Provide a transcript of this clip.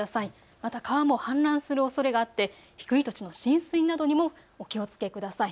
また川も氾濫するおそれがあって低い土地の浸水などにもお気をつけください。